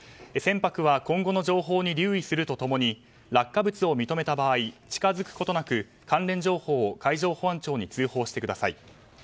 船舶は今後の情報に留意すると共に落下物を認めた場合近づくことなく関連情報を海上保安庁に通報してください。